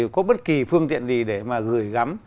có bất kỳ phương tiện gì để mà gửi gắm